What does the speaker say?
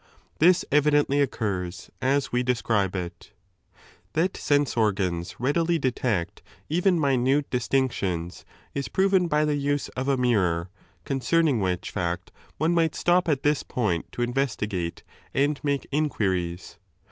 This . evidently occurs as we describe it, 7 That sense oi^ans readily detect even minute distinc tions is proven by the use of a mirror, concerning which I fact one might stop at this point to investigate and make I inquiries.